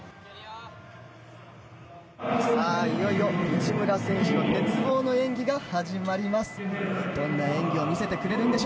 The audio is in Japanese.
いよいよ内村選手の鉄棒の演技が始まります。